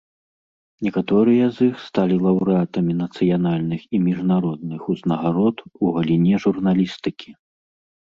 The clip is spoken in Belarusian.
Некаторыя з іх сталі лаўрэатамі нацыянальных і міжнародных узнагарод у галіне журналістыкі.